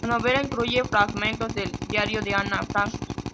La novela incluye fragmentos del Diario de Ana Frank.